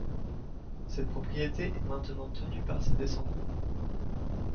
Cette propriété est maintenant tenue par ses descendants.